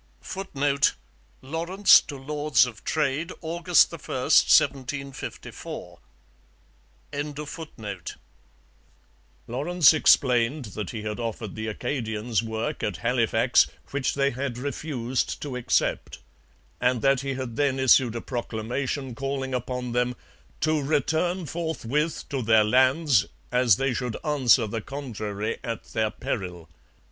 [Footnote: Lawrence to Lords of Trade, August 1, 1754.] Lawrence explained that he had offered the Acadians work at Halifax, which they had refused to accept; and that he had then issued a proclamation calling upon them 'to return forthwith to their lands as they should answer the contrary at their peril.'